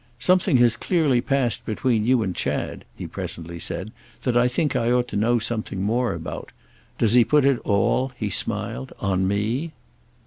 "Something has clearly passed between you and Chad," he presently said, "that I think I ought to know something more about. Does he put it all," he smiled, "on me?"